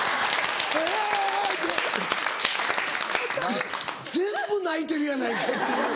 ぜ全部泣いてるやないかいっていう。